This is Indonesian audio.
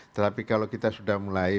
tetapi kalau kita sudah mulai